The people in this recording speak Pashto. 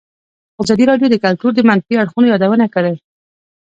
ازادي راډیو د کلتور د منفي اړخونو یادونه کړې.